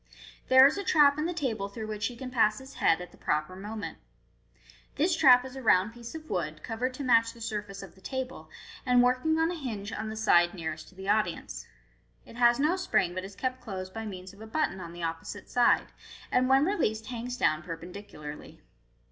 There is a trap in the table through which he can pass his head at the proper moment. This trap is a round piece of wood, covered to match the surface of the table, and working on a hinge on the side nearest to the audience. It has no spring, but is kept closed by means of a button on the opposite side, and when released hangs down perpendicularly.